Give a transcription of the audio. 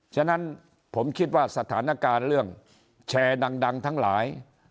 ฉะนั้นผมคิดว่าสถานการณ์เรื่องแชร์ดังทั้งหลาย